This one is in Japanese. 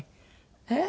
「えっ？」